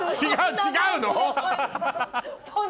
違うの？